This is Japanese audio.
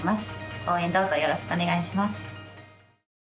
応援、どうぞよろしくお願いします。